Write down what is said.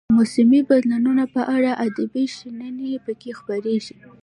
د موسمي بدلونونو په اړه ادبي شننې پکې خپریږي.